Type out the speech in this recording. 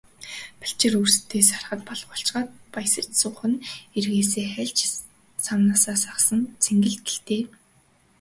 Балчир үрстээ сархад балгуулчхаад баясаж суух нь эргээсээ хальж, савнаасаа сагасан цэнгэл гэлтэй.